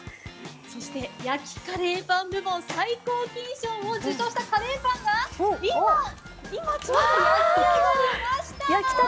そして、焼きカレーパン部門最高金賞を受賞したカレーパンが今、ちょうど焼き上がりました！